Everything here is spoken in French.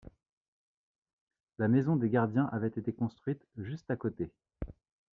La maison des gardiens avait été construite juste à côté.